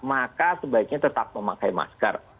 maka sebaiknya tetap memakai masker